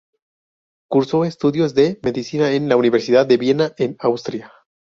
Cursó estudios de medicina en la Universidad de Viena en Austria.